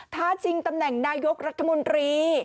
ท้าชิงตำแหน่งนายกรัฐมนตรี